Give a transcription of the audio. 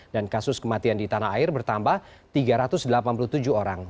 dan kasus kematian di tanah air bertambah tiga ratus delapan puluh tujuh orang